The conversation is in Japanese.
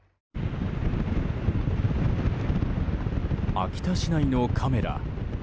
秋田市内のカメラ。